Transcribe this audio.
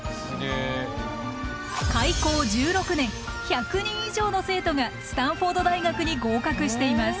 開校１６年１００人以上の生徒がスタンフォード大学に合格しています。